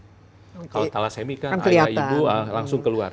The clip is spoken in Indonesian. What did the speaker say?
kalau thalassemi kan ayah ibu langsung keluar